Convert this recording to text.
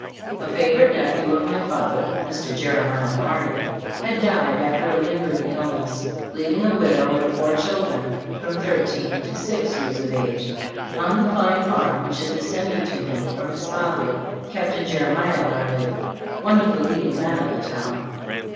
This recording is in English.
A favorite nephew of my father, Mr. Jeremiah Lamed, had died after a lingering illness, leaving a widow and four children, from thir teen to six years of age, on the fine farm which had descended to him from his father, Captain Jeremiah Larned, one of the leading men of the town.